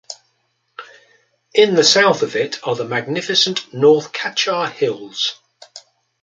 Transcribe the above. In the south of it are the magnificent North Cachar Hills.